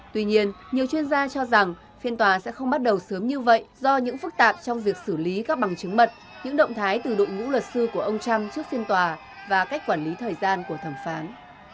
tuy nhiên nhiều chuyên gia cho rằng phiên tòa sẽ không bắt đầu sớm như vậy do những phức tạp trong việc xử lý các bằng chứng mật những động thái từ đội ngũ luật sư của ông trump trước phiên tòa và cách quản lý thời gian của thẩm phán